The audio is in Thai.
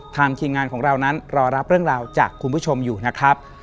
ทีมงานของเรานั้นรอรับเรื่องราวจากคุณผู้ชมอยู่นะครับ